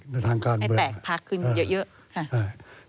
ในทางการเมืองให้แตกพักขึ้นเยอะ